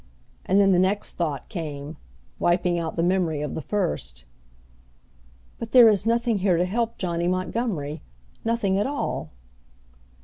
And then the next thought came, wiping out the memory of the first. "But there is nothing here to help Johnny Montgomery nothing at all!"